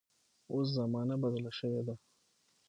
اوس زمانه بدله شوې ده.